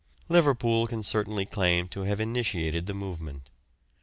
Liverpool can certainly claim to have initiated the movement.